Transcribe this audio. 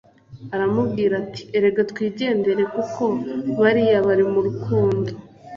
aramubwira ati erega twigendere kuko bariya bari murukundo